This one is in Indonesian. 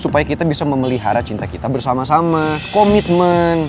supaya kita bisa memelihara cinta kita bersama sama komitmen